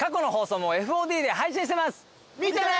見てね。